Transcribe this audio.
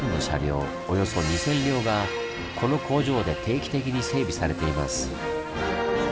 およそ２，０００両がこの工場で定期的に整備されています。